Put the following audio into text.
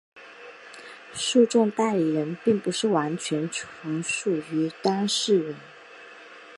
诉讼代理人并不是完全从属于当事人。